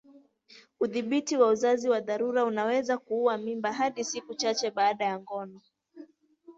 Udhibiti wa uzazi wa dharura unaweza kuua mimba hadi siku chache baada ya ngono.